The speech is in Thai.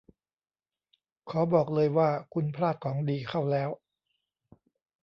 ขอบอกเลยว่าคุณพลาดของดีเข้าแล้ว